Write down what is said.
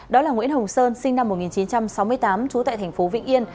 đó là nguyễn hồng sơn sinh năm một nghìn chín trăm sáu mươi tám trú tại thành phố vĩnh yên